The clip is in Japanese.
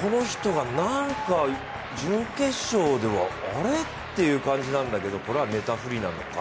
この人がなんか準決勝ではあれっていう感じなので、これはネタ振りなのか。